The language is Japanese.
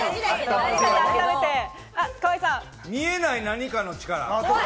見えない何かの力。